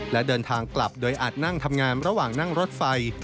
และเดินทางกลับโดยอาจนั่งทำงานระหว่างนั่งรถไฟ